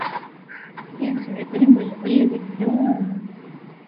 huku serikali mbalimbali zikilaumu hali hiyo imetokana na uvamizi wa Russia nchini Ukraine